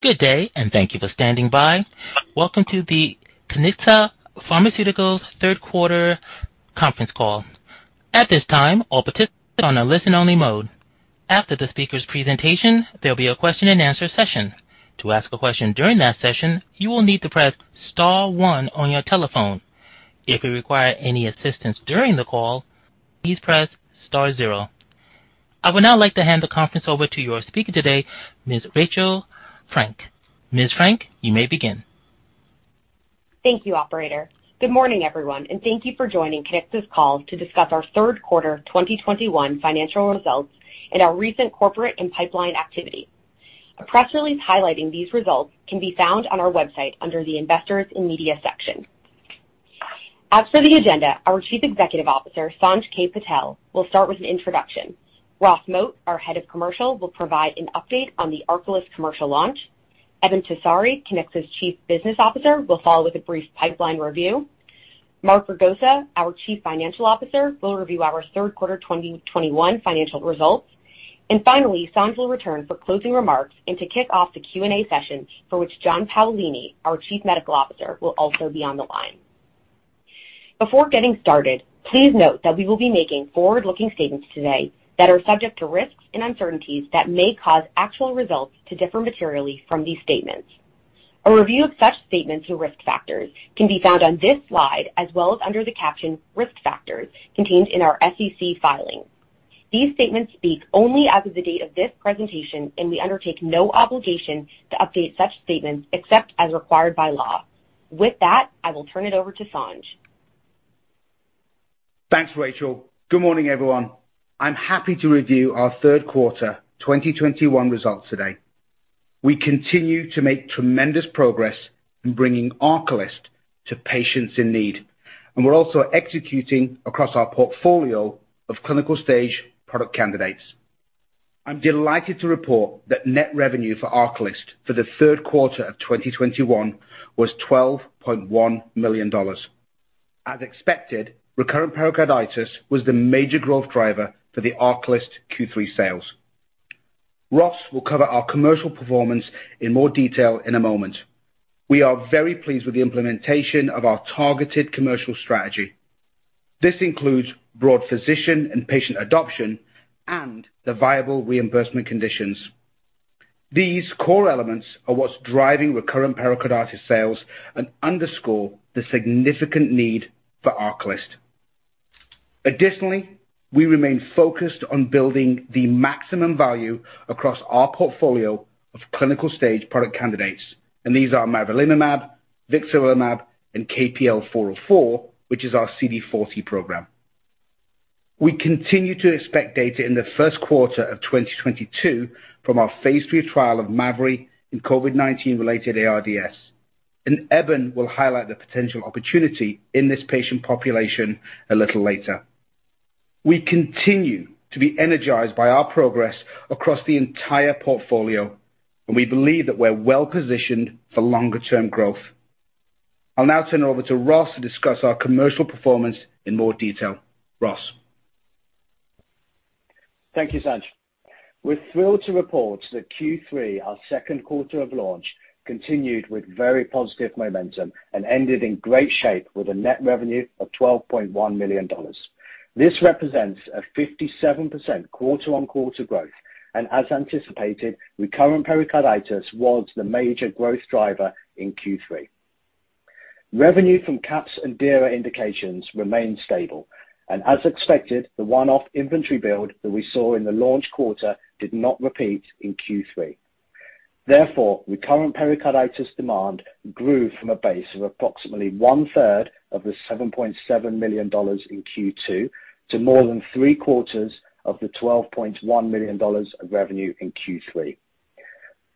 Good day, thank you for standing by. Welcome to the Kiniksa Pharmaceuticals Q3 conference call. At this time, all participants are on a listen-only mode. After the speaker's presentation, there'll be a question-and-answer session. To ask a question during that session, you will need to press star one on your telephone. If you require any assistance during the call, please press star zero. I would now like to hand the conference over to your speaker today, Ms. Rachel Frank. Ms. Frank, you may begin. Thank you, operator. Good morning, everyone, and thank you for joining Kiniksa's call to discuss our Q3 2021 financial results and our recent corporate and pipeline activity. A press release highlighting these results can be found on our website under the Investors and Media section. As for the agenda, our Chief Executive Officer, Sanj K. Patel, will start with an introduction. Ross Moat, our Head of Commercial, will provide an update on the ARCALYST commercial launch. Eben Tessari, Kiniksa's Chief Business Officer, will follow with a brief pipeline review. Mark Ragosa, our Chief Financial Officer, will review our third quarter 2021 financial results. Finally, Sanj will return for closing remarks and to kick off the Q&A session for which John Paolini, our Chief Medical Officer, will also be on the line. Before getting started, please note that we will be making forward-looking statements today that are subject to risks and uncertainties that may cause actual results to differ materially from these statements. A review of such statements and risk factors can be found on this slide, as well as under the caption "Risk Factors" contained in our SEC filing. These statements speak only as of the date of this presentation, and we undertake no obligation to update such statements except as required by law. With that, I will turn it over to Sanj. Thanks, Rachel. Good morning, everyone. I'm happy to review our Q3 2021 results today. We continue to make tremendous progress in bringing ARCALYST to patients in need, and we're also executing across our portfolio of clinical stage product candidates. I'm delighted to report that net revenue for ARCALYST for the Q3 of 2021 was $12.1 million. As expected, recurrent pericarditis was the major growth driver for the ARCALYST Q3 sales. Ross will cover our commercial performance in more detail in a moment. We are very pleased with the implementation of our targeted commercial strategy. This includes broad physician and patient adoption and the viable reimbursement conditions. These core elements are what's driving recurrent pericarditis sales and underscore the significant need for ARCALYST. Additionally, we remain focused on building the maximum value across our portfolio of clinical-stage product candidates, and these are mavrilimumab, vixarelimab, and KPL-404, which is our CD40 program. We continue to expect data in Q1 of 2022 from our phase III trial of mavrilimumab in COVID-19-related ARDS, and Eben will highlight the potential opportunity in this patient population a little later. We continue to be energized by our progress across the entire portfolio, and we believe that we're well-positioned for longer-term growth. I'll now turn it over to Ross to discuss our commercial performance in more detail. Ross. Thank you, Sanj. We're thrilled to report that Q3, on Q2 of launch, continued with very positive momentum and ended in great shape with a net revenue of $12.1 million. This represents a 57% quarter-on-quarter growth, and as anticipated, recurrent pericarditis was the major growth driver in Q3. Revenue from CAPS and DIRA indications remained stable, and as expected, the one-off inventory build that we saw in the launch quarter did not repeat in Q3. Therefore, recurrent pericarditis demand grew from a base of approximately one-third of the $7.7 million in Q2 to more than three-quarters of the $12.1 million of revenue in Q3.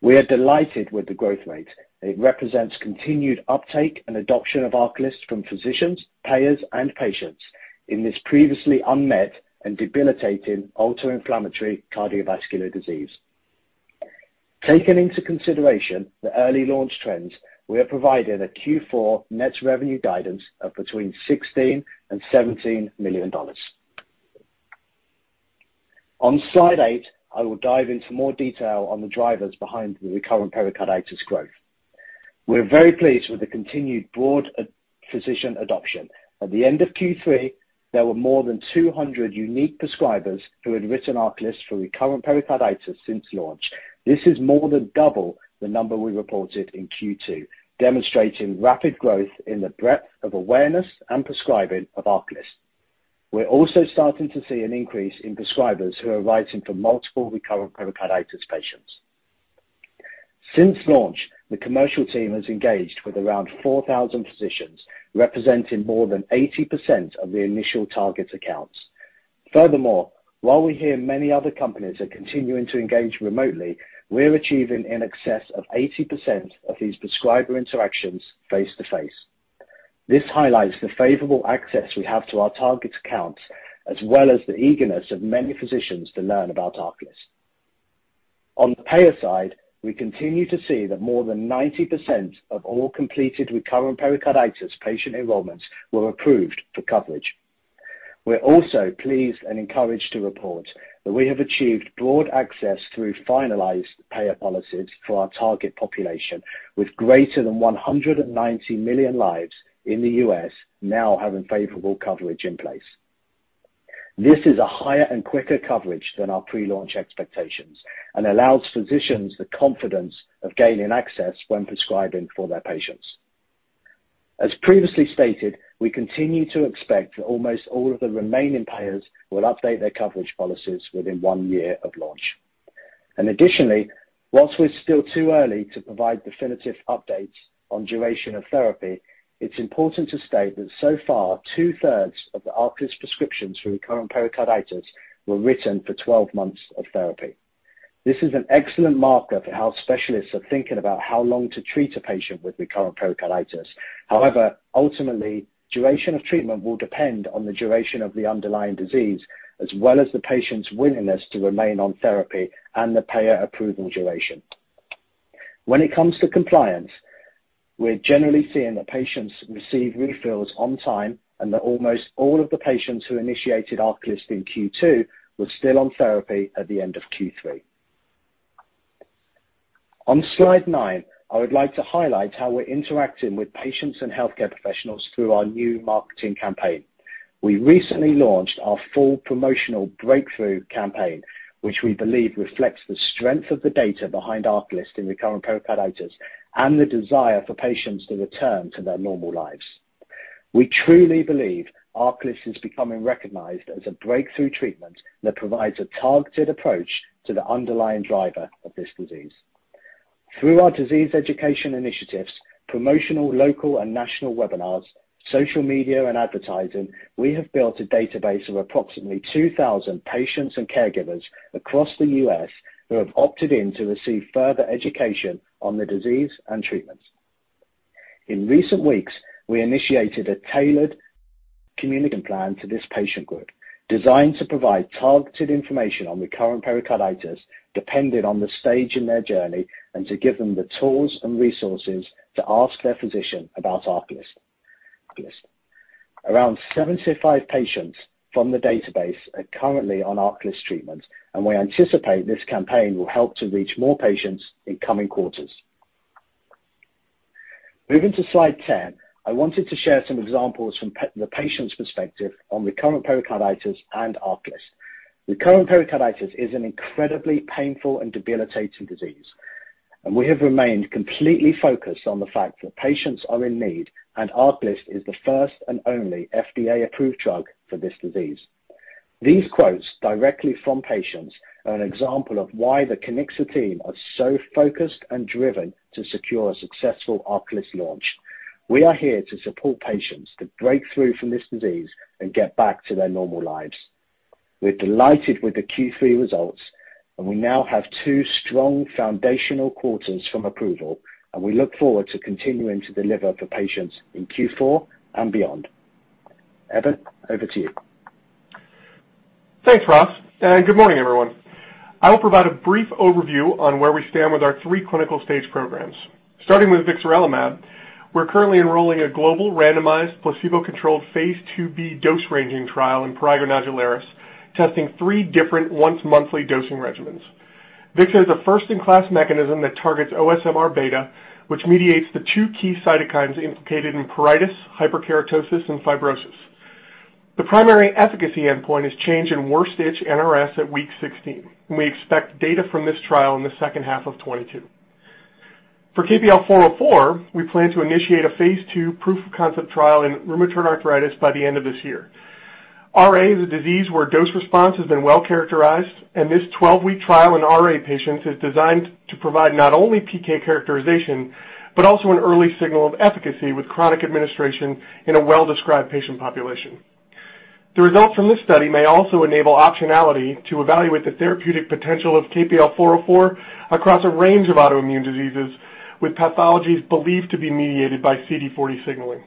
We are delighted with the growth rate. It represents continued uptake and adoption of ARCALYST from physicians, payers, and patients in this previously unmet and debilitating ultra-inflammatory cardiovascular disease. Taking into consideration the early launch trends, we are providing a Q4 net revenue guidance of between $16 million and $17 million. On slide 8, I will dive into more detail on the drivers behind the recurrent pericarditis growth. We're very pleased with the continued broad physician adoption. At the end of Q3, there were more than 200 unique prescribers who had written ARCALYST for recurrent pericarditis since launch. This is more than double the number we reported in Q2, demonstrating rapid growth in the breadth of awareness and prescribing of ARCALYST. We're also starting to see an increase in prescribers who are writing for multiple recurrent pericarditis patients. Since launch, the commercial team has engaged with around 4,000 physicians, representing more than 80% of the initial target accounts. Furthermore, while we hear many other companies are continuing to engage remotely, we're achieving in excess of 80% of these prescriber interactions face to face. This highlights the favorable access we have to our target accounts, as well as the eagerness of many physicians to learn about ARCALYST. On the payer side, we continue to see that more than 90% of all completed recurrent pericarditis patient enrollments were approved for coverage. We're also pleased and encouraged to report that we have achieved broad access through finalized payer policies for our target population, with greater than 190 million lives in the U.S. now having favorable coverage in place. This is a higher and quicker coverage than our pre-launch expectations and allows physicians the confidence of gaining access when prescribing for their patients. As previously stated, we continue to expect that almost all of the remaining payers will update their coverage policies within one year of launch. Additionally, while we're still too early to provide definitive updates on duration of therapy, it's important to state that so far two-thirds of the ARCALYST prescriptions for recurrent pericarditis were written for 12 months of therapy. This is an excellent marker for how specialists are thinking about how long to treat a patient with recurrent pericarditis. However, ultimately, duration of treatment will depend on the duration of the underlying disease as well as the patient's willingness to remain on therapy and the payer approval duration. When it comes to compliance, we're generally seeing that patients receive refills on time and that almost all of the patients who initiated ARCALYST in Q2 were still on therapy at the end of Q3. On slide nine, I would like to highlight how we're interacting with patients and healthcare professionals through our new marketing campaign. We recently launched our full promotional breakthrough campaign, which we believe reflects the strength of the data behind ARCALYST in recurrent pericarditis and the desire for patients to return to their normal lives. We truly believe ARCALYST is becoming recognized as a breakthrough treatment that provides a targeted approach to the underlying driver of this disease. Through our disease education initiatives, promotional local and national webinars, social media, and advertising, we have built a database of approximately 2,000 patients and caregivers across the U.S. who have opted in to receive further education on the disease and treatments. In recent weeks, we initiated a tailored communication plan to this patient group designed to provide targeted information on recurrent pericarditis, depending on the stage in their journey, and to give them the tools and resources to ask their physician about ARCALYST. Around 75 patients from the database are currently on ARCALYST treatment, and we anticipate this campaign will help to reach more patients in coming quarters. Moving to slide 10, I wanted to share some examples from the patient's perspective on recurrent pericarditis and ARCALYST. Recurrent pericarditis is an incredibly painful and debilitating disease, and we have remained completely focused on the fact that patients are in need, and ARCALYST is the first and only FDA-approved drug for this disease. These quotes directly from patients are an example of why the Kiniksa team are so focused and driven to secure a successful ARCALYST launch. We are here to support patients to break through from this disease and get back to their normal lives. We're delighted with the Q3 results, and we now have two strong foundational quarters from approval, and we look forward to continuing to deliver for patients in Q4 and beyond. Eben, over to you. Thanks, Ross, and good morning, everyone. I will provide a brief overview on where we stand with our three clinical stage programs. Starting with vixarelimab, we're currently enrolling a global randomized placebo-controlled phase IIb dose-ranging trial in prurigo nodularis, testing 3 different once-monthly dosing regimens. Vixer is a first-in-class mechanism that targets OSMRβ, which mediates the two key cytokines implicated in pruritus, hyperkeratosis, and fibrosis. The primary efficacy endpoint is change in Worst-Itch NRS at week 16, and we expect data from this trial in H2 of 2022. For KPL-404, we plan to initiate a phase II proof-of-concept trial in rheumatoid arthritis by the end of this year. RA is a disease where dose response has been well-characterized, and this 12-week trial in RA patients is designed to provide not only PK characterization but also an early signal of efficacy with chronic administration in a well-described patient population. The results from this study may also enable optionality to evaluate the therapeutic potential of KPL-404 across a range of autoimmune diseases with pathologies believed to be mediated by CD40 signaling.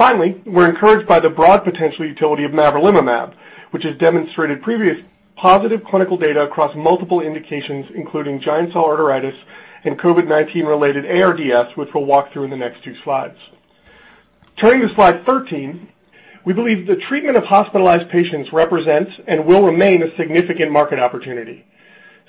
Finally, we're encouraged by the broad potential utility of mavrilimumab, which has demonstrated previous positive clinical data across multiple indications, including giant cell arteritis and COVID-19-related ARDS, which we'll walk through in the next two slides. Turning to slide 13, we believe the treatment of hospitalized patients represents and will remain a significant market opportunity.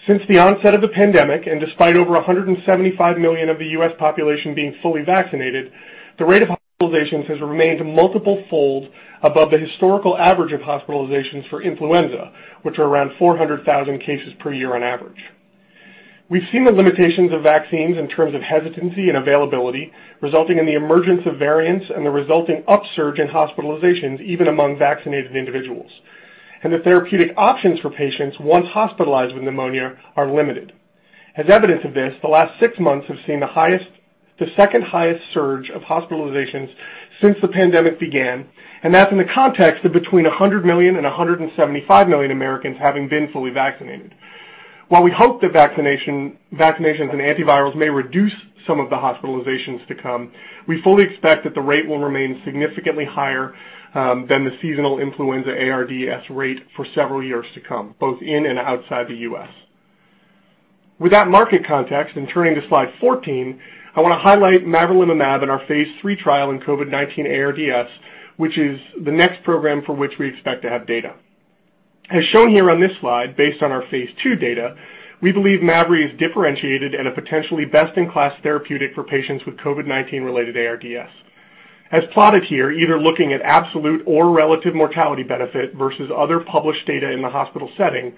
Since the onset of the pandemic, and despite over 175 million of the U.S. population being fully vaccinated, the rate of hospitalizations has remained multiple-fold above the historical average of hospitalizations for influenza, which are around 400,000 cases per year on average. We've seen the limitations of vaccines in terms of hesitancy and availability, resulting in the emergence of variants and the resulting upsurge in hospitalizations even among vaccinated individuals. The therapeutic options for patients once hospitalized with pneumonia are limited. As evidence of this, the last six months have seen the second-highest surge of hospitalizations since the pandemic began, and that's in the context of between 100 million and 175 million Americans having been fully vaccinated. While we hope that vaccination, vaccinations and antivirals may reduce some of the hospitalizations to come, we fully expect that the rate will remain significantly higher than the seasonal influenza ARDS rate for several years to come, both in and outside the U.S. With that market context and turning to slide 14, I wanna highlight mavrilimumab in our phase III trial in COVID-19 ARDS, which is the next program for which we expect to have data. As shown here on this slide, based on our phase II data, we believe mavri is differentiated and a potentially best-in-class therapeutic for patients with COVID-19-related ARDS. As plotted here, either looking at absolute or relative mortality benefit versus other published data in the hospital setting,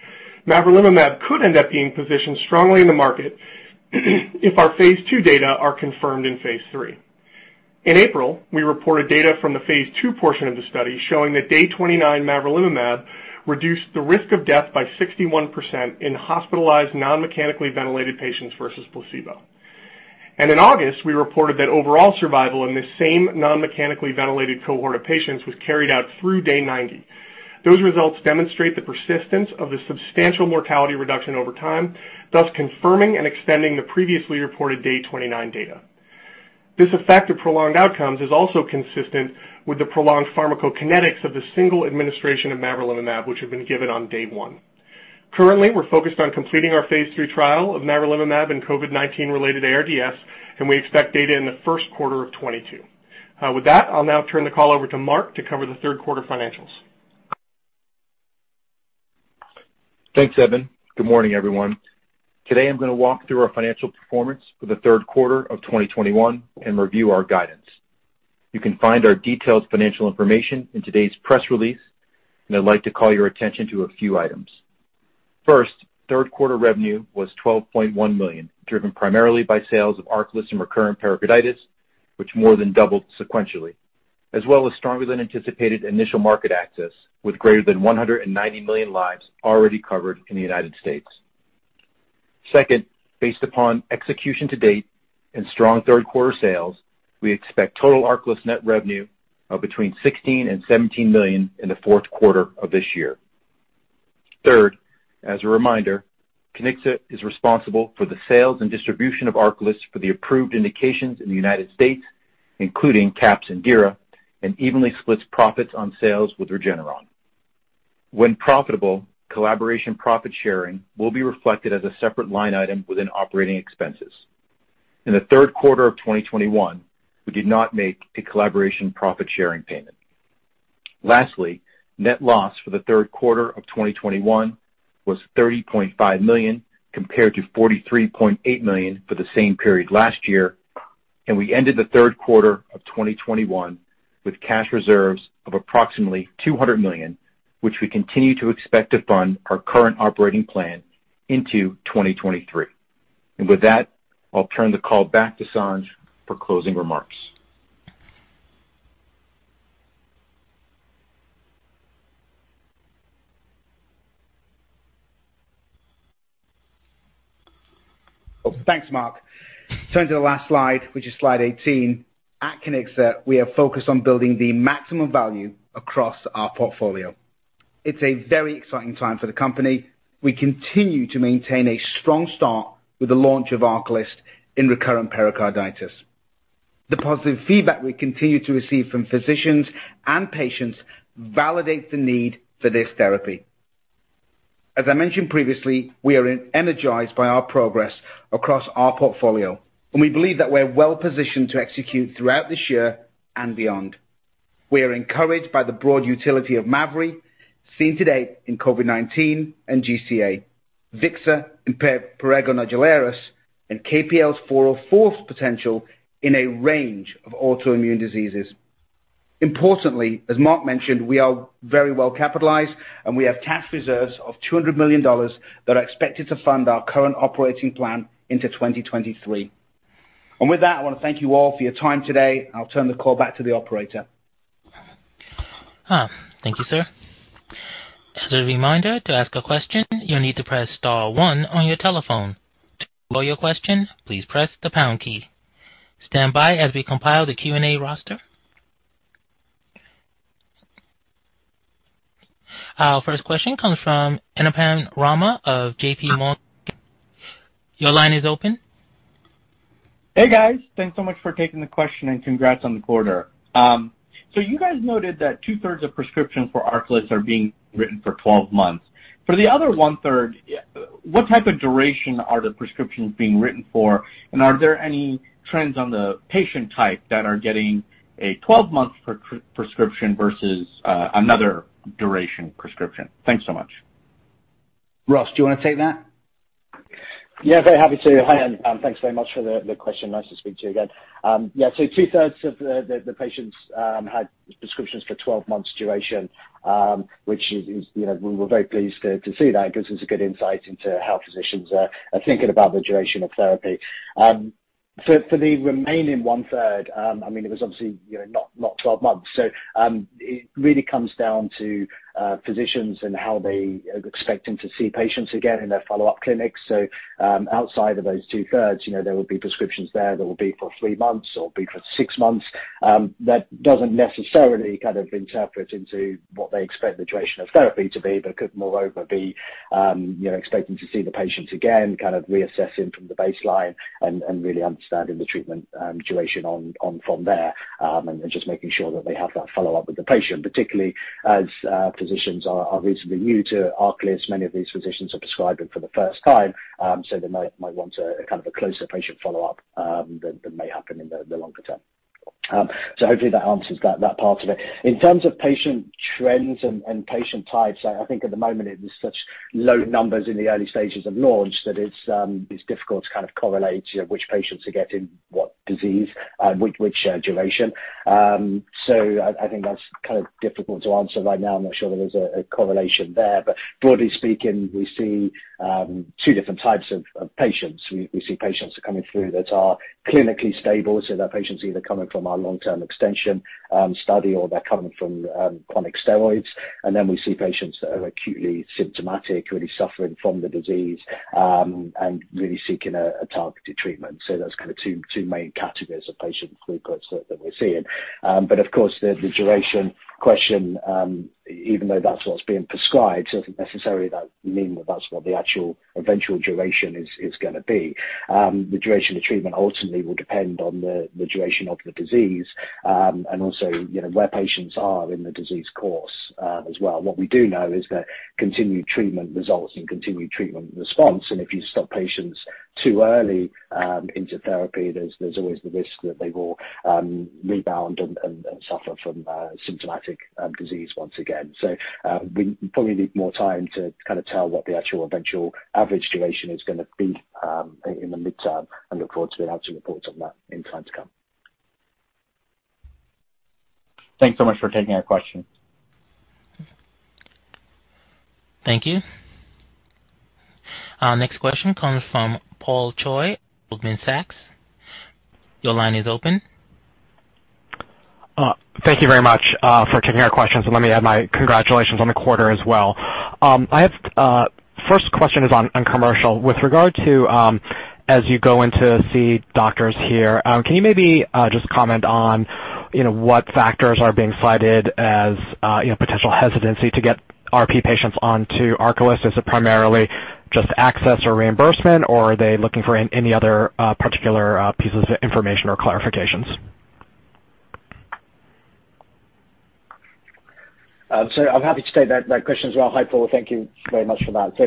mavrilimumab could end up being positioned strongly in the market if our phase II data are confirmed in phase III. In April, we reported data from the phase II portion of the study showing that day 29 mavrilimumab reduced the risk of death by 61% in hospitalized non-mechanically ventilated patients versus placebo. In August, we reported that overall survival in this same non-mechanically ventilated cohort of patients was carried out through day 90. Those results demonstrate the persistence of the substantial mortality reduction over time, thus confirming and extending the previously reported day 29 data. This effect of prolonged outcomes is also consistent with the prolonged pharmacokinetics of the single administration of mavrilimumab, which had been given on day 1. Currently, we're focused on completing our phase III trial of mavrilimumab in COVID-19-related ARDS, and we expect data in Q1 of 2022. With that, I'll now turn the call over to Mark to cover the third quarter financials. Thanks, Evan. Good morning, everyone. Today, I'm gonna walk through our financial performance for Q3 of 2021 and review our guidance. You can find our detailed financial information in today's press release, and I'd like to call your attention to a few items. First, Q3 revenue was $12.1 million, driven primarily by sales of ARCALYST and recurrent pericarditis, which more than doubled sequentially, as well as stronger than anticipated initial market access with greater than 190 million lives already covered in the United States. Second, based upon execution to date and strong third quarter sales, we expect total ARCALYST net revenue of between $16 million and $17 million in Q4 of this year. Third, as a reminder, Kiniksa is responsible for the sales and distribution of ARCALYST for the approved indications in the United States, including CAPS and DIRA, and evenly splits profits on sales with Regeneron. When profitable, collaboration profit sharing will be reflected as a separate line item within operating expenses. In Q3 of 2021, we did not make a collaboration profit-sharing payment. Lastly, net loss for Q3 of 2021 was $30.5 million, compared to $43.8 million for the same period last year, and we ended Q3 of 2021 with cash reserves of approximately $200 million, which we continue to expect to fund our current operating plan into 2023. With that, I'll turn the call back to Sanj for closing remarks. Thanks, Mark. Turning to the last slide, which is slide 18. At Kiniksa, we are focused on building the maximum value across our portfolio. It's a very exciting time for the company. We continue to maintain a strong start with the launch of ARCALYST in recurrent pericarditis. The positive feedback we continue to receive from physicians and patients validates the need for this therapy. As I mentioned previously, we are energized by our progress across our portfolio, and we believe that we're well-positioned to execute throughout this year and beyond. We are encouraged by the broad utility of mavrilimumab, seen to date in COVID-19 and GCA, vixarelimab in prurigo nodularis, and KPL-404's potential in a range of autoimmune diseases. Importantly, as Mark mentioned, we are very well capitalized, and we have cash reserves of $200 million that are expected to fund our current operating plan into 2023. With that, I wanna thank you all for your time today. I'll turn the call back to the operator. Thank you, sir. As a reminder, to ask a question, you'll need to press star one on your telephone. To withdraw your question, please press the pound key. Stand by as we compile the Q&A roster. Our first question comes from Anupam Rama of JPMorgan. Your line is open. Hey, guys. Thanks so much for taking the question and congrats on the quarter. You guys noted that 2/3 of prescriptions for ARCALYST are being written for 12 months. For the other 1/3, what type of duration are the prescriptions being written for? And are there any trends on the patient type that are getting a 12-month prescription versus another duration prescription? Thanks so much. Ross, do you wanna take that? Yeah, very happy to. Hi, and, thanks very much for the question. Nice to speak to you again. Yeah, so two-thirds of the patients had prescriptions for 12 months duration, which is, you know, we were very pleased to see that. It gives us a good insight into how physicians are thinking about the duration of therapy. For the remaining one-third, I mean, it was obviously, you know, not 12 months. It really comes down to physicians and how they are expecting to see patients again in their follow-up clinics. Outside of those two-thirds, you know, there will be prescriptions there that will be for 3 months or be for 6 months. That doesn't necessarily kind of interpret into what they expect the duration of therapy to be, but could moreover be, you know, expecting to see the patients again, kind of reassessing from the baseline and really understanding the treatment duration on from there, and just making sure that they have that follow-up with the patient. Particularly as physicians are reasonably new to ARCALYST, many of these physicians are prescribing for the first time, so they might want a kind of a closer patient follow-up than may happen in the longer term. Hopefully that answers that part of it. In terms of patient trends and patient types, I think at the moment it is such low numbers in the early stages of launch that it's difficult to kind of correlate, you know, which patients are getting what disease, which duration. I think that's kind of difficult to answer right now. I'm not sure there is a correlation there. But broadly speaking, we see two different types of patients. We see patients coming through that are clinically stable, so they're patients either coming from our long-term extension study, or they're coming from chronic steroids. And then we see patients that are acutely symptomatic, really suffering from the disease, and really seeking a targeted treatment. That's kind of two main categories of patient cohorts that we're seeing. Of course the duration question, even though that's what's being prescribed, doesn't necessarily mean that that's what the actual eventual duration is gonna be. The duration of treatment ultimately will depend on the duration of the disease, and also, you know, where patients are in the disease course, as well. What we do know is that continued treatment results in continued treatment response. If you stop patients too early into therapy, there's always the risk that they will rebound and suffer from symptomatic disease once again. We probably need more time to kind of tell what the actual eventual average duration is gonna be in the midterm and look forward to being able to report on that in time to come. Thanks so much for taking our question. Thank you. Our next question comes from Paul Choi, Goldman Sachs. Your line is open. Thank you very much for taking our questions, and let me add my congratulations on the quarter as well. My first question is on commercial. With regard to, as you go in to see doctors here, can you maybe just comment on, you know, what factors are being cited as, you know, potential hesitancy to get RP patients onto ARCALYST? Is it primarily just access or reimbursement, or are they looking for any other particular pieces of information or clarifications? I'm happy to take that question as well. Hi, Paul. Thank you very much for that.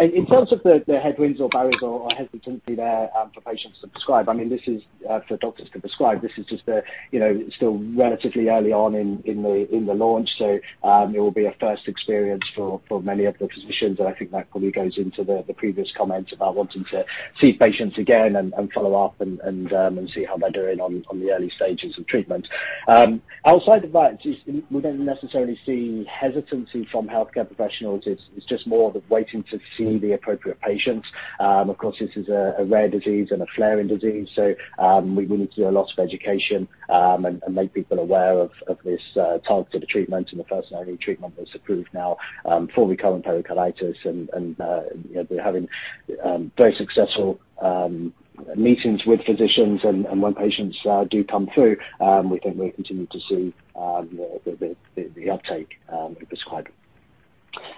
In terms of the headwinds or barriers or hesitancy there, for patients to prescribe, I mean, this is for doctors to prescribe, this is just a, you know, still relatively early on in the launch. It will be a first experience for many of the physicians, and I think that probably goes into the previous comment about wanting to see patients again and follow up and see how they're doing on the early stages of treatment. Outside of that we don't necessarily see hesitancy from healthcare professionals. It's just more of waiting to see the appropriate patients. Of course, this is a rare disease and a flaring disease, so we will need to do a lot of education and make people aware of this targeted treatment and the first-in-class treatment that's approved now for recurrent pericarditis. You know, we're having very successful meetings with physicians. When patients do come through, we think we'll continue to see the uptake prescribed.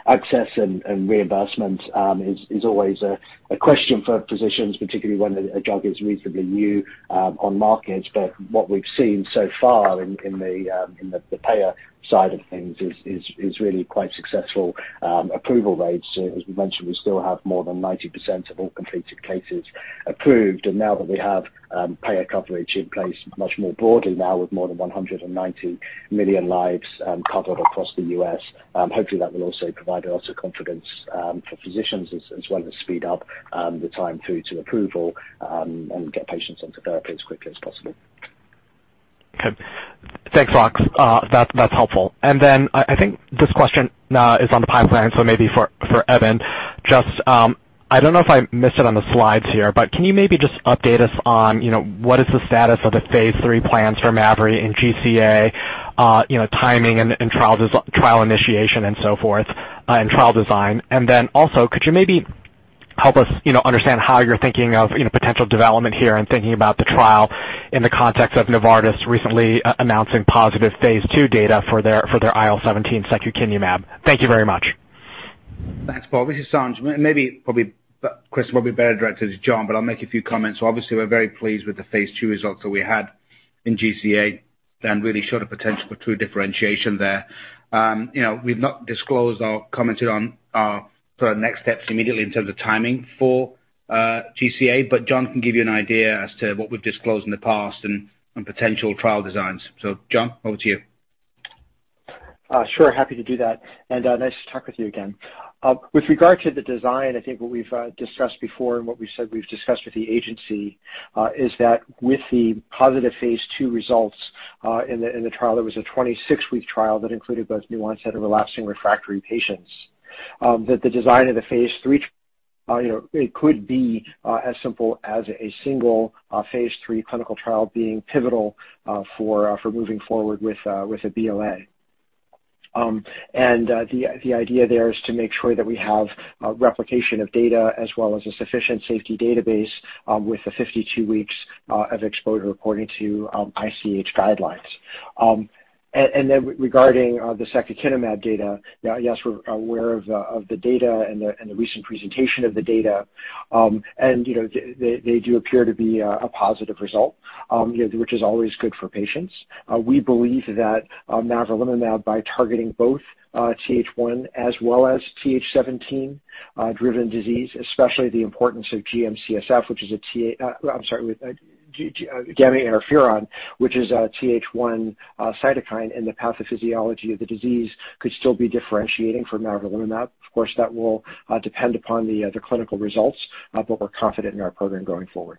Access and reimbursement is always a question for physicians, particularly when a drug is reasonably new on the market. What we've seen so far in the payer side of things is really quite successful approval rates. As we mentioned, we still have more than 90% of all completed cases approved. Now that we have payer coverage in place much more broadly now with more than 190 million lives covered across the U.S., hopefully that will also provide a lot of confidence for physicians as well as speed up the time through to approval and get patients onto therapy as quickly as possible. Okay. Thanks, Ross. That's helpful. I think this question is on the pipeline, so maybe for Evan. Just, I don't know if I missed it on the slides here, but can you maybe just update us on, you know, what is the status of the phase III plans for Mavri in GCA, you know, timing and trial initiation and so forth, and trial design? Also, could you maybe help us, you know, understand how you're thinking of, you know, potential development here and thinking about the trial in the context of Novartis recently announcing positive phase II data for their IL-17 secukinumab? Thank you very much. Thanks, Paul. This is Sanj. Maybe, Chris, probably better directed to John, but I'll make a few comments. Obviously we're very pleased with the phase II results that we had in GCA and really showed a potential for true differentiation there. We've not disclosed or commented on our sort of next steps immediately in terms of timing for GCA, but John can give you an idea as to what we've disclosed in the past and potential trial designs. John, over to you. Sure. Happy to do that. Nice to talk with you again. With regard to the design, I think what we've discussed before and what we said we've discussed with the agency is that with the positive phase II results in the trial, it was a 26-week trial that included both new onset and relapsing refractory patients. That the design of the phase III, you know, it could be as simple as a single phase III clinical trial being pivotal for moving forward with a BLA. The idea there is to make sure that we have replication of data as well as a sufficient safety database with the 52 weeks of exposure according to ICH guidelines. Regarding the secukinumab data, yes, we're aware of the data and the recent presentation of the data. You know, they do appear to be a positive result, you know, which is always good for patients. We believe that mavrilimumab by targeting both TH1 as well as TH17 driven disease, especially the importance of GM-CSF with gamma interferon, which is a TH1 cytokine in the pathophysiology of the disease, could still be differentiating for mavrilimumab. Of course, that will depend upon the clinical results, but we're confident in our program going forward.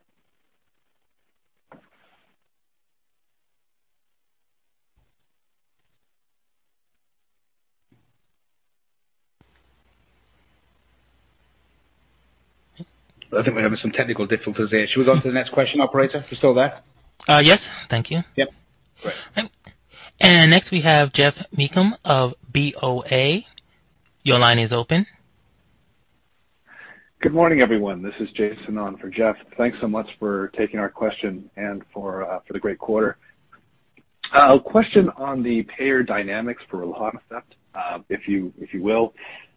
I think we're having some technical difficulties there. Shall we go to the next question, operator? You still there? Yes. Thank you. Yep. Great. Next we have Geoff Meacham of BOA. Your line is open. Good morning, everyone. This is Jason on for Geoff. Thanks so much for taking our question and for the great quarter. A question on the payer dynamics for rilonacept, if you will.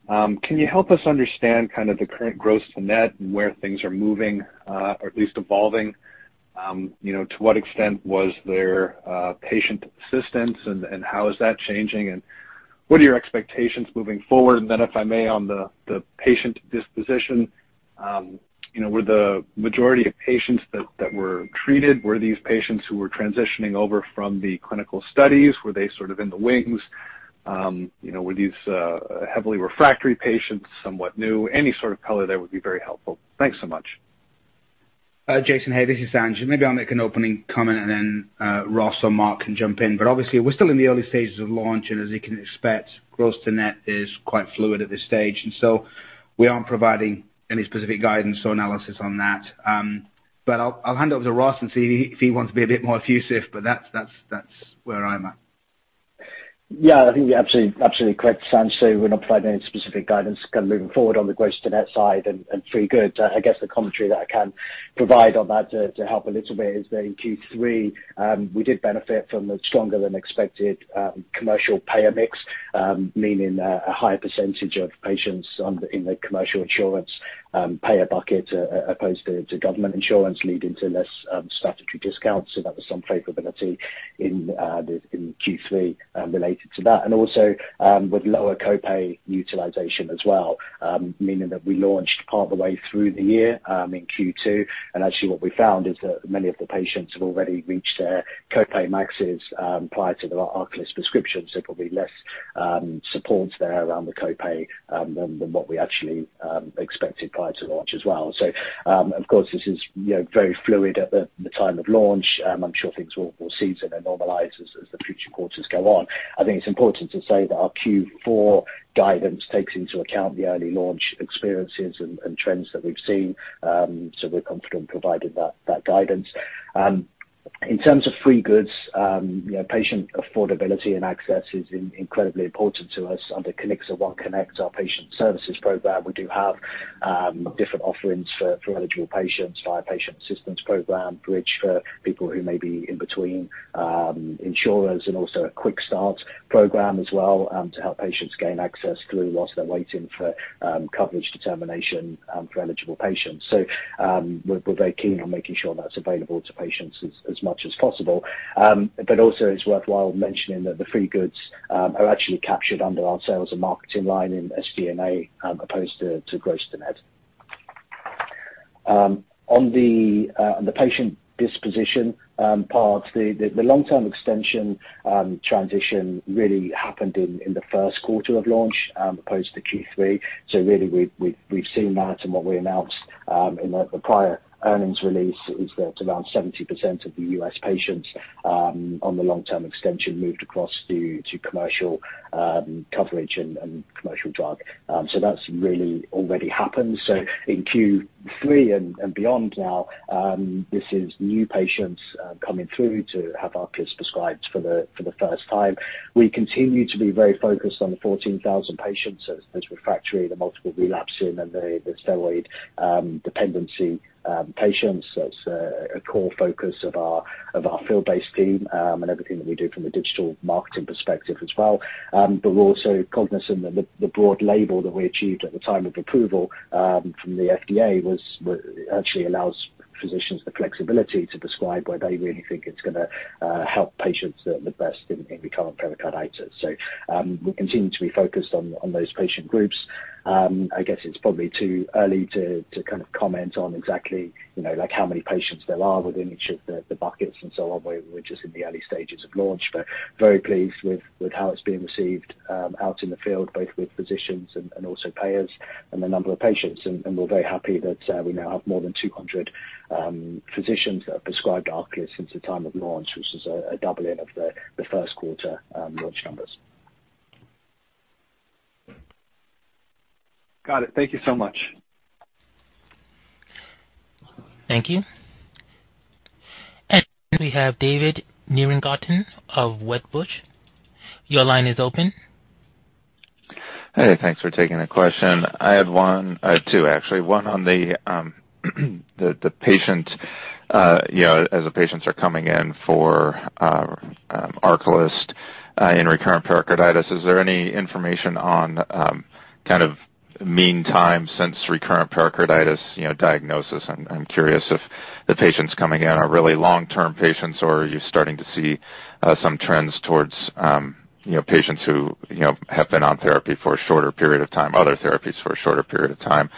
Can you help us understand kind of the current gross to net and where things are moving or at least evolving? You know, to what extent was there patient assistance and how is that changing, and what are your expectations moving forward? Then, if I may, on the patient disposition, you know, were the majority of patients that were treated, were these patients who were transitioning over from the clinical studies, were they sort of in the wings? You know, were these heavily refractory patients, somewhat new? Any sort of color there would be very helpful. Thanks so much. Jason. Hey, this is Sanj. Maybe I'll make an opening comment and then Ross or Mark can jump in. Obviously we're still in the early stages of launch, and as you can expect, gross to net is quite fluid at this stage. We aren't providing any specific guidance or analysis on that. I'll hand over to Ross and see if he wants to be a bit more effusive, but that's where I'm at. Yeah. I think you're absolutely correct, Sanj. We're not providing any specific guidance kind of moving forward on the gross to net side and free goods. I guess the commentary that I can provide on that to help a little bit is that in Q3, we did benefit from a stronger than expected commercial payer mix, meaning a higher percentage of patients in the commercial insurance payer bucket opposed to government insurance leading to less statutory discounts. That was some favorability in Q3 related to that. Also, with lower co-pay utilization as well, meaning that we launched part of the way through the year in Q2. Actually what we found is that many of the patients have already reached their co-pay maxes prior to the ARCALYST prescription. Probably less support there around the co-pay than what we actually expected prior to launch as well. Of course, this is, you know, very fluid at the time of launch. I'm sure things will season and normalize as the future quarters go on. I think it's important to say that our Q4 guidance takes into account the early launch experiences and trends that we've seen, so we're confident providing that guidance. In terms of free goods, you know, patient affordability and access is incredibly important to us. Under Kiniksa OneConnect, our patient services program, we do have different offerings for eligible patients via patient assistance program, bridge for people who may be in between insurers and also a quick start program as well to help patients gain access through while they're waiting for coverage determination for eligible patients. We're very keen on making sure that's available to patients as much as possible. Also it's worthwhile mentioning that the free goods are actually captured under our sales and marketing line in SG&A as opposed to gross-to-net. On the patient disposition part, the long-term extension transition really happened in the first quarter of launch as opposed to Q3. Really we've seen that and what we announced in the prior earnings release is that around 70% of the U.S. patients on the long-term extension moved across to commercial coverage and commercial drug. That's really already happened. In Q3 and beyond now, this is new patients coming through to have ARCALYST prescribed for the first time. We continue to be very focused on the 14,000 patients, those refractory, the multiple relapsing and the steroid dependency patients. That's a core focus of our field-based team and everything that we do from a digital marketing perspective as well. We're also cognizant that the broad label that we achieved at the time of approval from the FDA actually allows physicians the flexibility to prescribe where they really think it's gonna help patients the best in recurrent pericarditis. We continue to be focused on those patient groups. I guess it's probably too early to kind of comment on exactly, you know, like how many patients there are within each of the buckets and so on. We're just in the early stages of launch, but very pleased with how it's being received out in the field, both with physicians and also payers and the number of patients. We're very happy that we now have more than 200 physicians that have prescribed ARCALYST since the time of launch, which is a doubling of Q3 launch numbers. Got it. Thank you so much. Thank you. Next we have David Nierengarten of Wedbush. Your line is open. Hey, thanks for taking the question. I had one, two actually. One on the patient, you know, as the patients are coming in for ARCALYST in recurrent pericarditis, is there any information on kind of mean time since recurrent pericarditis diagnosis? I'm curious if the patients coming in are really long-term patients or are you starting to see some trends towards patients who have been on therapy for a shorter period of time, other therapies for a shorter period of time.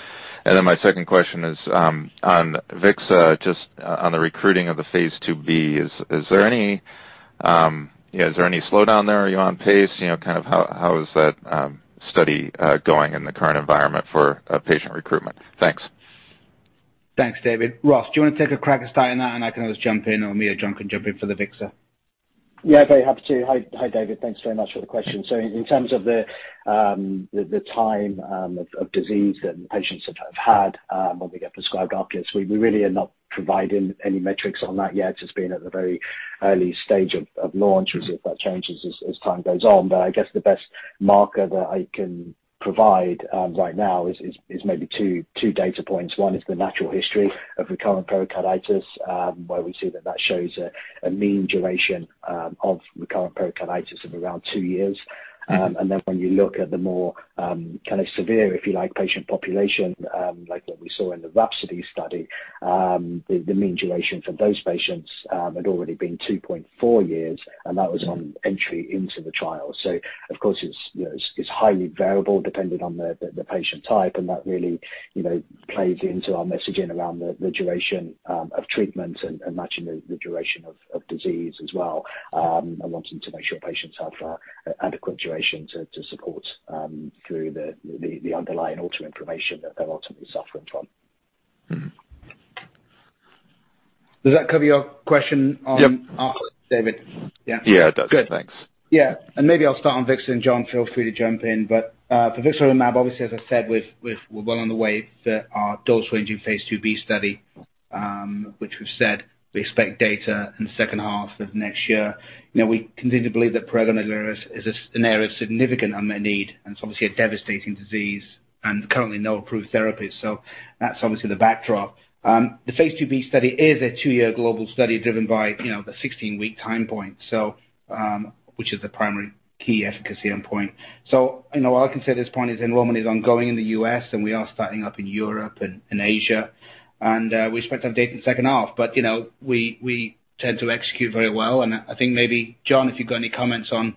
My second question is on vixarelimab, just on the recruiting of the phase IIb. Is there any slowdown there? Are you on pace? You know, kind of how is that study going in the current environment for patient recruitment? Thanks. Thanks, David. Ross, do you want to take a crack at starting that, and I can always jump in, or me or John can jump in for the vixarelimab? Yeah, very happy to. Hi, David. Thanks very much for the question. In terms of the time of disease that patients have had when we get prescribed ARCALYST, we really are not providing any metrics on that yet. It's just been at the very early stage of launch. We'll see if that changes as time goes on. I guess the best marker that I can provide right now is maybe two data points. One is the natural history of recurrent pericarditis, where we see that shows a mean duration of recurrent pericarditis of around two years. When you look at the more kind of severe, if you like, patient population, like what we saw in the RHAPSODY study, the mean duration for those patients had already been 2.4 years, and that was on entry into the trial. Of course, it's, you know, it's highly variable depending on the patient type, and that really, you know, plays into our messaging around the duration of treatment and matching the duration of disease as well, and wanting to make sure patients have adequate duration to support through the underlying auto inflammation that they're ultimately suffering from. Mm-hmm. Does that cover your question on? Yep. ARCALYST, David? Yeah. Yeah, it does. Thanks. Good. Yeah. Maybe I'll start on vixarelimab, and John feel free to jump in. For vixarelimab, obviously, as I said, we've we're well on the way to our dose ranging phase IIb study, which we've said we expect data in the second half of next year. You know, we continue to believe that prurigo nodularis is an area of significant unmet need, and it's obviously a devastating disease and currently no approved therapies. That's obviously the backdrop. The phase IIb study is a 2-year global study driven by, you know, the 16-week time point, which is the primary key efficacy endpoint. You know, all I can say at this point is enrollment is ongoing in the U.S., and we are starting up in Europe and Asia. We expect to have data in Q2. You know, we tend to execute very well. I think maybe, John, if you've got any comments on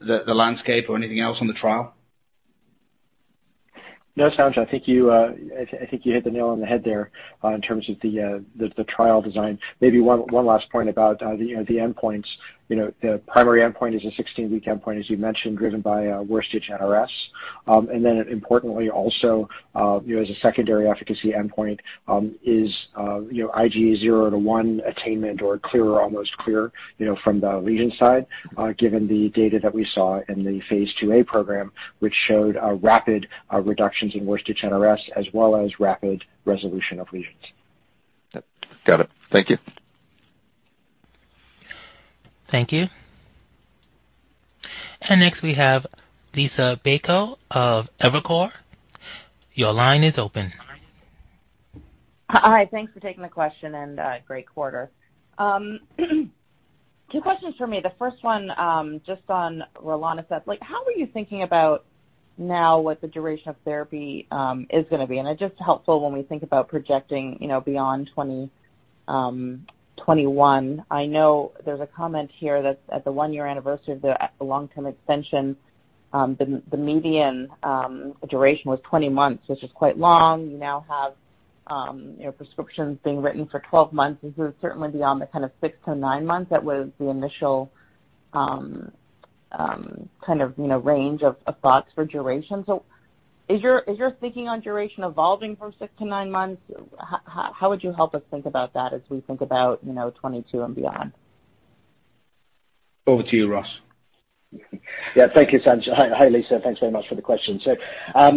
the landscape or anything else on the trial. No, Sanj, I think you hit the nail on the head there in terms of the trial design. Maybe one last point about, you know, the endpoints. You know, the primary endpoint is a 16-week endpoint, as you mentioned, driven by Worst-Itch NRS. Importantly also, you know, as a secondary efficacy endpoint, is you know, IGA 0/1 attainment or clear or almost clear, you know, from the lesion side, given the data that we saw in the phase II A program, which showed a rapid reductions in Worst-Itch NRS as well as rapid resolution of lesions. Yep. Got it. Thank you. Thank you. Next we have Liisa Bayko of Evercore. Your line is open. Hi. Thanks for taking the question, and great quarter. Two questions from me. The first one, just on rilonacept. Like, how are you thinking about now what the duration of therapy is gonna be? It's just helpful when we think about projecting, you know, beyond 2021. I know there's a comment here that at the 1-year anniversary of the long-term extension, the median duration was 20 months, which is quite long. You now have, you know, prescriptions being written for 12 months. This is certainly beyond the kind of 6-9 months that was the initial kind of, you know, range of thoughts for duration. Is your thinking on duration evolving from 6-9 months? How would you help us think about that as we think about, you know, 2022 and beyond? Over to you, Ross. Yeah. Thank you, Sanj. Hi, Liisa. Thanks very much for the question.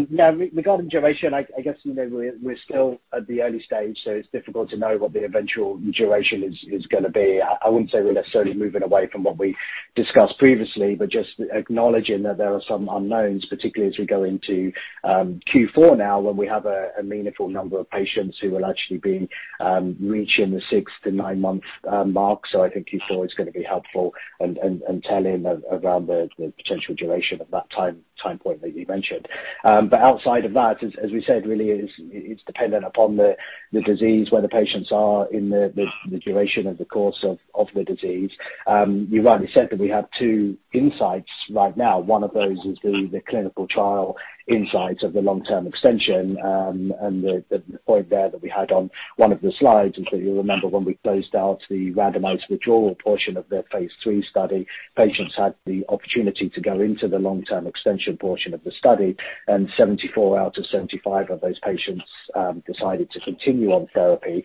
Now regarding duration, I guess, you know, we're still at the early stage, so it's difficult to know what the eventual duration is gonna be. I wouldn't say we're necessarily moving away from what we discussed previously, but just acknowledging that there are some unknowns, particularly as we go into Q4 now, when we have a meaningful number of patients who will actually be reaching the 6- to 9-month mark. I think Q4 is gonna be helpful and telling around the potential duration of that time point that you mentioned. Outside of that, as we said, it's dependent upon the disease, where the patients are in the duration of the course of the disease. You rightly said that we have two insights right now. One of those is the clinical trial insights of the long-term extension, and the point there that we had on one of the slides, you'll remember when we closed out the randomized withdrawal portion of the phase III study, patients had the opportunity to go into the long-term extension portion of the study, and 74 out of 75 of those patients decided to continue on therapy.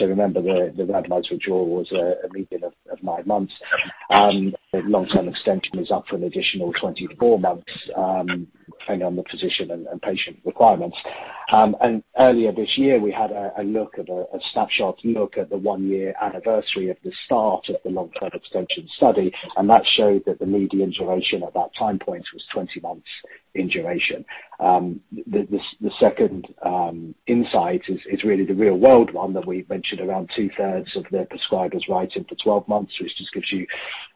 Remember the randomized withdrawal was a median of 9 months. The long-term extension is up for an additional 24 months, depending on the physician and patient requirements. Earlier this year, we had a snapshot look at the one-year anniversary of the start of the long-term extension study, and that showed that the median duration at that time point was 20 months in duration. The second insight is really the real world one that we mentioned around two-thirds of the prescribers writing for 12 months, which just gives you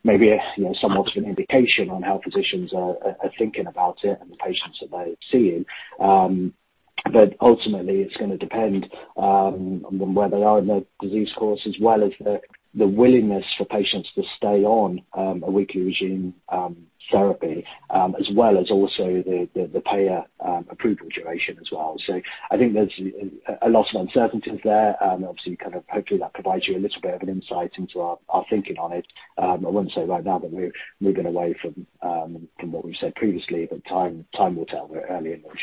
maybe a, you know, somewhat of an indication on how physicians are thinking about it and the patients that they're seeing. Ultimately, it's gonna depend on where they are in the disease course, as well as the willingness for patients to stay on a weekly regimen therapy, as well as the payer approval duration as well. I think there's a lot of uncertainties there. Obviously, kind of hopefully that provides you a little bit of an insight into our thinking on it. I wouldn't say right now that we're moving away from what we've said previously, but time will tell. We're early in the journey. Now, what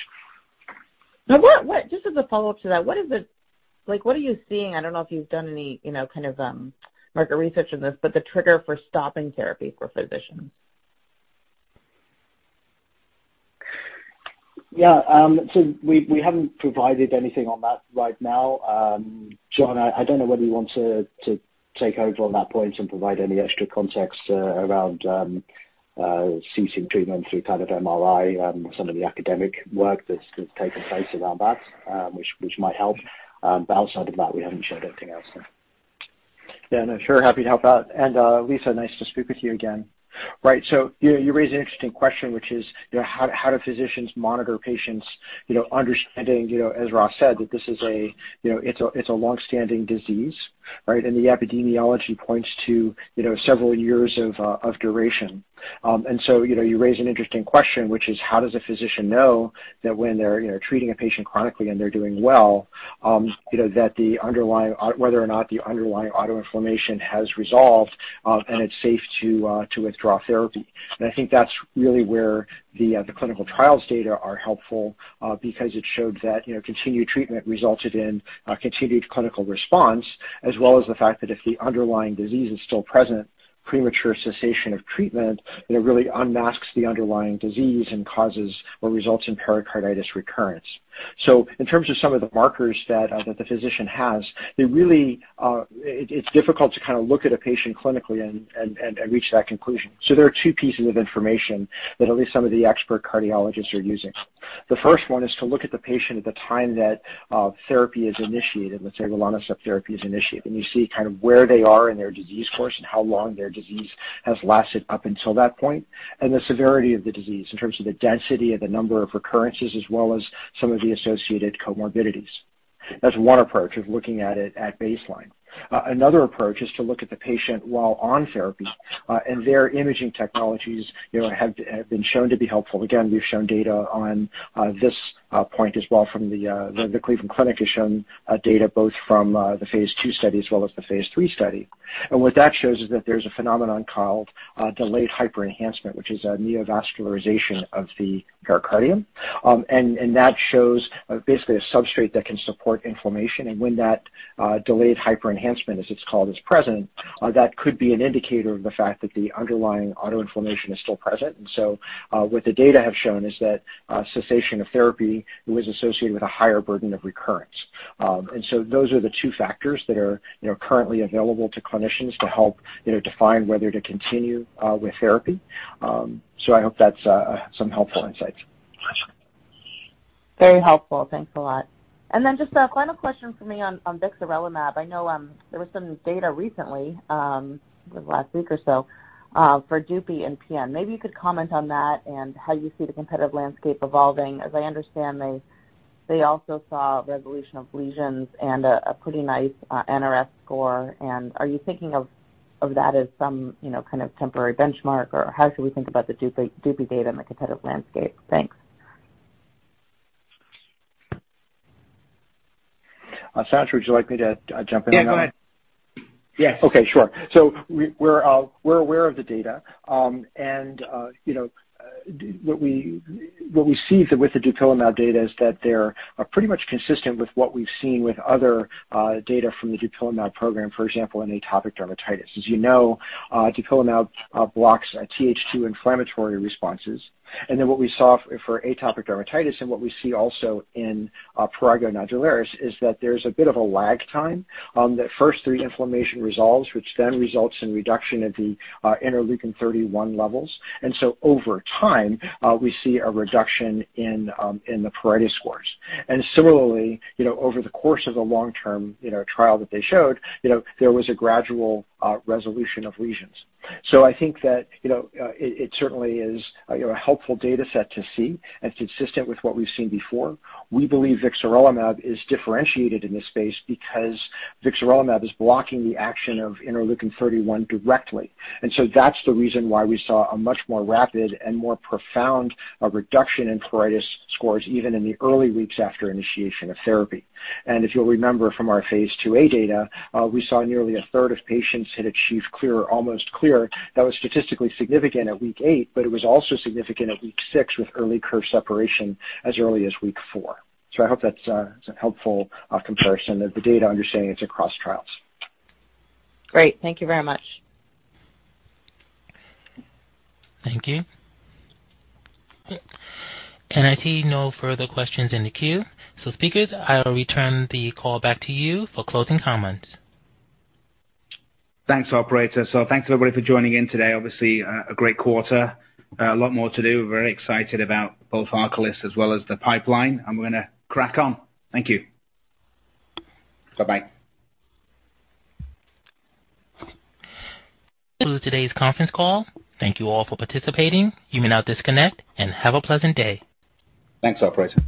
just as a follow-up to that, what is it, like, what are you seeing? I don't know if you've done any, you know, kind of market research on this, but the trigger for stopping therapy for physicians. Yeah. We haven't provided anything on that right now. John, I don't know whether you want to take over on that point and provide any extra context around ceasing treatment through kind of MRI, some of the academic work that's taken place around that, which might help. Outside of that, we haven't shared anything else. Yeah, no, sure, happy to help out. Liisa, nice to speak with you again. Right. You raise an interesting question, which is, you know, how do physicians monitor patients, you know, understanding, you know, as Ross said, that this is a, you know, it's a long-standing disease, right? The epidemiology points to, you know, several years of duration. You know, you raise an interesting question, which is how does a physician know that when they're, you know, treating a patient chronically and they're doing well, you know, that the underlying, whether or not the underlying autoinflammation has resolved, and it's safe to withdraw therapy. I think that's really where the the clinical trials data are helpful, because it showed that, you know, continued treatment resulted in continued clinical response, as well as the fact that if the underlying disease is still present, premature cessation of treatment, you know, really unmasks the underlying disease and causes or results in pericarditis recurrence. In terms of some of the markers that that the physician has, they really it's difficult to kind of look at a patient clinically and and reach that conclusion. There are two pieces of information that at least some of the expert cardiologists are using. The first one is to look at the patient at the time that therapy is initiated, let's say rilonacept therapy is initiated, and you see kind of where they are in their disease course and how long their disease has lasted up until that point, and the severity of the disease in terms of the density of the number of recurrences, as well as some of the associated comorbidities. That's one approach of looking at it at baseline. Another approach is to look at the patient while on therapy, and their imaging technologies, you know, have been shown to be helpful. Again, we've shown data on this point as well, and the Cleveland Clinic has shown data both from the phase II study as well as the phase III study. What that shows is that there's a phenomenon called delayed hyperenhancement, which is a neovascularization of the pericardium. That shows basically a substrate that can support inflammation. When that delayed hyperenhancement, as it's called, is present, that could be an indicator of the fact that the underlying autoinflammation is still present. What the data have shown is that cessation of therapy was associated with a higher burden of recurrence. Those are the two factors that are, you know, currently available to clinicians to help, you know, define whether to continue with therapy. I hope that's some helpful insights. Very helpful. Thanks a lot. Just a final question for me on vixarelimab. I know there was some data recently within the last week or so for dupilumab and PN. Maybe you could comment on that and how you see the competitive landscape evolving. As I understand, they also saw resolution of lesions and a pretty nice NRS score. Are you thinking of that as some, you know, kind of temporary benchmark, or how should we think about the dupilumab data in the competitive landscape? Thanks. Sanj K. Patel, would you like me to jump in on that one? Yeah, go ahead. Yes. Okay, sure. We're aware of the data. You know, what we see with the dupilumab data is that they're pretty much consistent with what we've seen with other data from the dupilumab program, for example, in atopic dermatitis. As you know, dupilumab blocks TH2 inflammatory responses. Then what we saw for atopic dermatitis and what we see also in prurigo nodularis is that there's a bit of a lag time that first the inflammation resolves, which then results in reduction of the interleukin-31 levels. Over time, we see a reduction in the pruritus scores. Similarly, you know, over the course of the long-term, you know, trial that they showed, you know, there was a gradual resolution of lesions. I think that, you know, it certainly is, you know, a helpful data set to see and it's consistent with what we've seen before. We believe vixarelimab is differentiated in this space because vixarelimab is blocking the action of interleukin-31 directly. That's the reason why we saw a much more rapid and more profound reduction in pruritus scores even in the early weeks after initiation of therapy. If you'll remember from our phase II A data, we saw nearly a third of patients had achieved clear or almost clear. That was statistically significant at week 8, but it was also significant at week 6 with early curve separation as early as week 4. I hope that's a helpful comparison of the data understanding it's across trials. Great. Thank you very much. Thank you. I see no further questions in the queue. Speakers, I'll return the call back to you for closing comments. Thanks, operator. Thanks, everybody, for joining in today. Obviously, a great quarter. A lot more to do. We're very excited about both ARCALYST as well as the pipeline, and we're gonna crack on. Thank you. Bye-bye. That concludes today's conference call. Thank you all for participating. You may now disconnect and have a pleasant day. Thanks, operator.